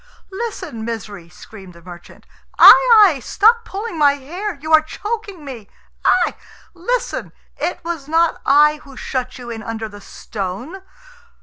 "Listen, Misery!" screamed the merchant. "Ai, ai! stop pulling my hair. You are choking me. Ai! Listen. It was not I who shut you in under the stone...."